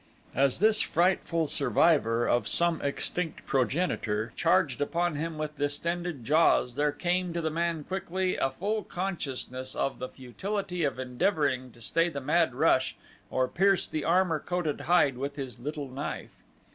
As this frightful survivor of some extinct progenitor charged upon him with distended jaws there came to the man quickly a full consciousness of the futility of endeavoring to stay the mad rush or pierce the armor coated hide with his little knife.